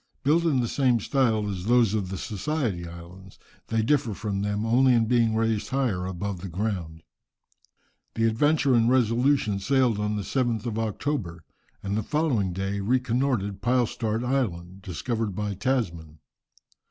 Built in the same style as those of the Society Isles, they differ from them only in being raised higher above the ground. The Adventure and Resolution sailed on the 7th of October, and the following day reconnoitred Pylstart Island, discovered by Tasman.